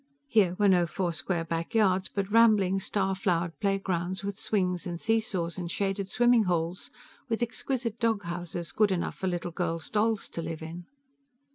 Here were no four square back yards, but rambling star flowered playgrounds with swings and seesaws and shaded swimming holes; with exquisite doghouses good enough for little girls' dolls to live in.